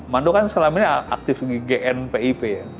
mando kan selama ini aktif di gnpip ya